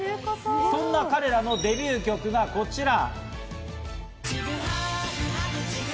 そんな彼らのデビュー曲がこちら。